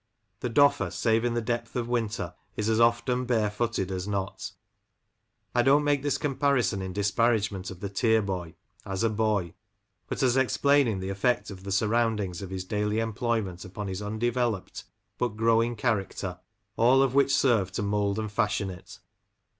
The Doffer, save in the depth of winter, is as often bare footed as not I don't make this comparison in disparagement of the Tier boy, as a boy ; but as explaining the effect of the surroundings of his daily employment upon his undeveloped, but growing character, all of which serve to mould and fashion it.